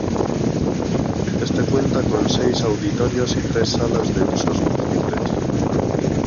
Este cuenta con seis auditorios y tres salas de usos múltiples.